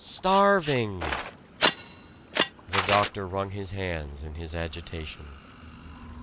Starving!" The doctor wrung his hands in his agitation.